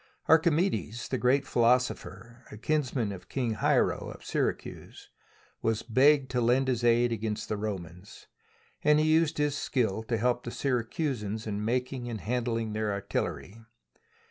Archimedes, the great philosopher, a kinsman of King Hiero of Syracuse, was begged to lend his aid against the Romans, and used his skill to help the Syracusans in making and handling their artil lery.